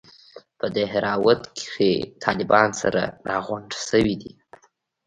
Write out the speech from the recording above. په دهراوت کښې طالبان سره راغونډ سوي دي.